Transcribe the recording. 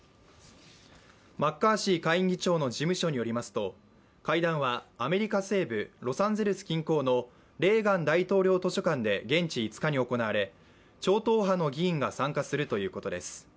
マッカーシー下院議長の事務所によりますと、会談はアメリカ西部ロサンゼルス近郊のレーガン大統領図書館で現地５日に行われ、超党派の議員が参加するということです。